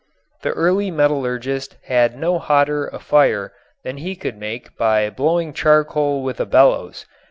The early metallurgist had no hotter a fire than he could make by blowing charcoal with a bellows.